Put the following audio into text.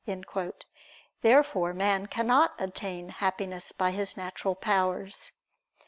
Therefore man cannot attain Happiness by his natural powers.